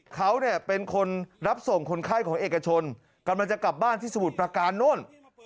เขาเนี่ยเป็นคนรับส่งคนไข้ของเอกชนกำลังจะกลับบ้านที่สมุทรประการโน่น